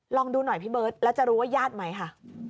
ลองดูหน่อยพี่เบิร์ตแล้วจะรู้ว่าญาติไหมค่ะ